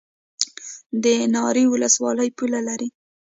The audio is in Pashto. د ناری ولسوالۍ پوله لري